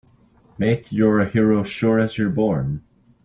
Make you're a hero sure as you're born!